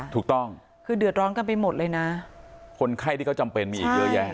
ถูกต้องคือเดือดร้อนกันไปหมดเลยนะคนไข้ที่เขาจำเป็นมีอีกเยอะแยะ